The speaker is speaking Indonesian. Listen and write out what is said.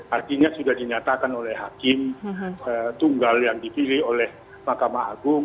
artinya sudah dinyatakan oleh hakim tunggal yang dipilih oleh mahkamah agung